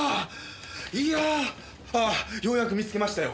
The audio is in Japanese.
いやようやく見つけましたよ。